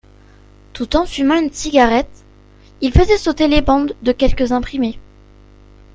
Tout en fumant une cigarette, il faisait sauter les bandes de quelques imprimés.